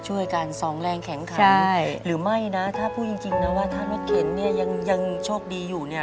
สองแรงแข็งขันหรือไม่นะถ้าพูดจริงนะว่าถ้ารถเข็นเนี่ยยังโชคดีอยู่เนี่ย